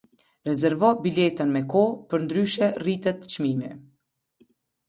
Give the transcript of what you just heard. Rezervo biletën me kohë, përndryshe rritet çmimi.